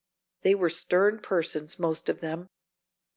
They were stern persons most of them.